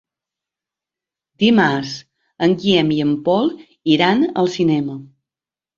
Dimarts en Guillem i en Pol iran al cinema.